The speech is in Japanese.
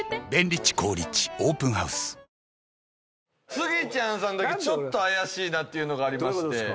スギちゃんさんだけちょっと怪しいなっていうのがありまして。